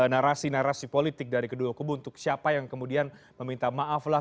narasi narasi politik dari kedua kubu untuk siapa yang kemudian meminta maaf lah